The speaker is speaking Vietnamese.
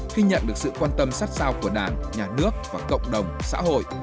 khi nhận được sự quan tâm sát sao của đảng nhà nước và cộng đồng xã hội